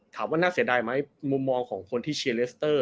ถามว่าน่าเสียดายไหมมุมมองของคนที่เชียร์เลสเตอร์